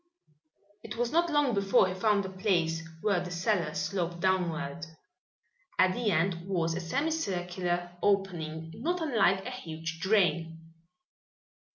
It was not long before he found a place where the cellar sloped downward. At the end was a semi circular opening, not unlike a huge drain.